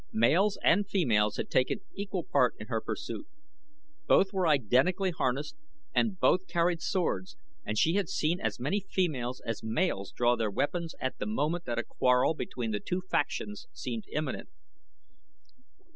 Males and females had taken equal part in her pursuit, both were identically harnessed and both carried swords, and she had seen as many females as males draw their weapons at the moment that a quarrel between the two factions seemed imminent.